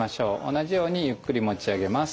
同じようにゆっくり持ち上げます。